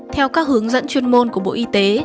theo các hướng dẫn chuyên môn của bộ y tế